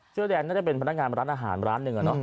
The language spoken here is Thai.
เชื้อแดดก็เป็นพนักงานประตานอาหารหร้านหนึ่งอะเนาะ